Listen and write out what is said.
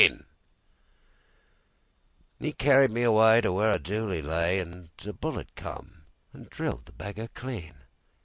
'E carried me awayTo where a dooli lay, An' a bullet come an' drilled the beggar clean.